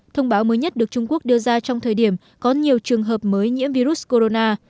thông báo mới nhất được trung quốc đưa ra trong thời điểm có nhiều trường hợp mới nhiễm virus corona